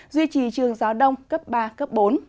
duy trì trường gió đông cấp ba bốn